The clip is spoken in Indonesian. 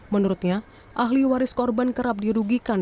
menurutnya ahli waris korban kerap dirugikan